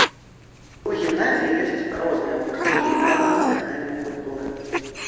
У гімназіі ёсць розныя гурткі па нацыянальнай культуры.